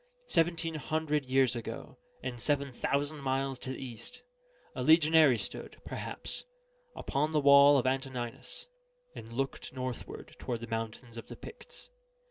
Seventeen hundred years ago, and seven thousand miles to the east, a legionary stood, perhaps, upon the wall of Antoninus, and looked northward toward the mountains of the Picts.